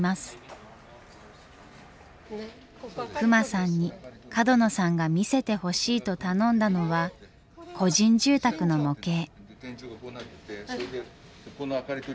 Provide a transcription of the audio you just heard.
隈さんに角野さんが見せてほしいと頼んだのは個人住宅の模型。